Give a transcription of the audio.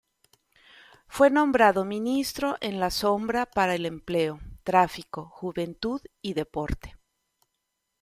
Fue nombrado ministro en la sombra para el Empleo, Tráfico, Juventud y Deporte.